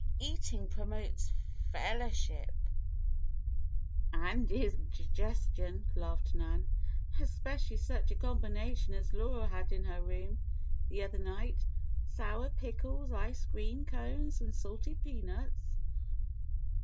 "Eating promotes fellowship " "And indigestion," laughed Nan. "Especially such a combination as Laura had in her room the other night sour pickles, ice cream cones, and salted peanuts."